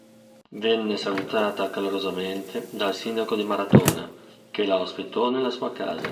Venne salutata calorosamente dal sindaco di Maratona, che la ospitò nella sua casa.